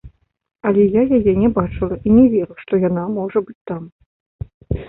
Але я яе не бачыла і не веру, што яна можа быць там.